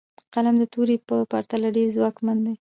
قلم د تورې په پرتله ډېر ځواکمن دی.